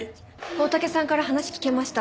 大竹さんから話聞けました。